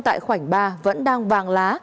tại khoảnh ba vẫn đang vàng lá